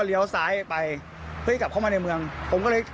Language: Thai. เลี้ยวซ้ายไปเพื่อกลับเข้ามาในเมืองผมก็เลย